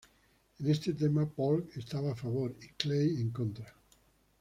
En este tema Polk estaba a favor, y Clay, en contra.